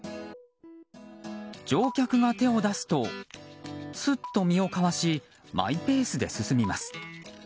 乗客が手を出すとすっと身をかわしマイペースで進みます。